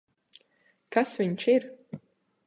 Kas viņš ir?